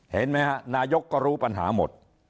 เห็นไหมฮะนายกก็รู้ปัญหาหมด